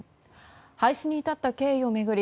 廃止に至った経緯を巡り